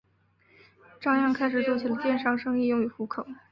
张漾开始做起了电商生意用以糊口。